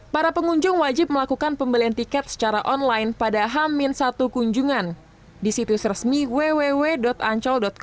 para pengunjung wajib melakukan pembelian tiket secara online pada ham min satu kunjungan